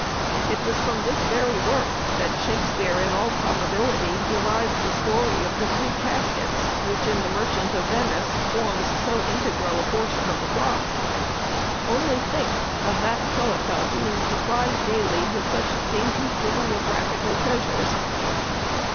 It was from this very work that Shakespeare in all probability derived the story of the three caskets which in "The Merchant of Venice" forms so integral a portion of the plot. Only think of that cloaca being supplied daily with such dainty bibliographical treasures!